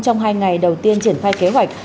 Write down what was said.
trong hai ngày đầu tiên triển khai kế hoạch